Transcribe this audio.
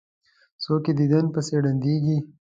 څوک یې دیدن پسې ړندیږي.